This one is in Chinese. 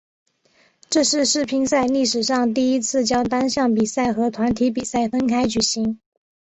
这是世乒赛历史上第一次将单项比赛和团体比赛分开举行。